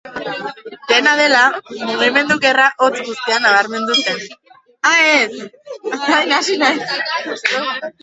Dena dela, mugimendu gerra hotz guztian nabarmendu zen.